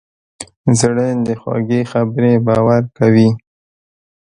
زړه د خوږې خبرې باور کوي.